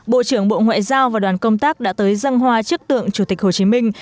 bộ trưởng bộ ngoại giao và đoàn công tác đã tới dân hoa trước tượng chủ tịch hồ chí minh